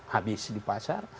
habis di pasar